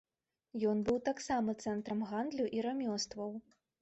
Ён быў таксама цэнтрам гандлю і рамёстваў.